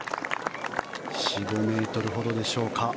４５ｍほどでしょうか。